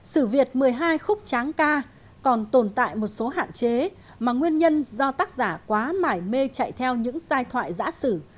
sử việt một mươi hai khúc tráng ca còn tồn tại một số hạn chế mà nguyên nhân do tác giả quá mải mê chạy theo những giai thoại giã sử